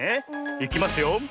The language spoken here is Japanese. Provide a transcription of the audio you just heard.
いきますよ。